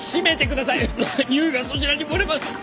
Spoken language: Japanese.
臭いがそちらに漏れます！